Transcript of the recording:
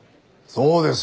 そうですよ。